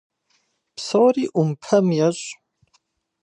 Псори Ӏумпэм ещӏ.